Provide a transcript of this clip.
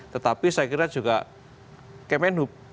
tetapi saya kira juga kmn hub